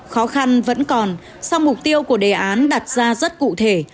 khó khăn vẫn còn sau mục tiêu của đề án đặt ra rất cụ thể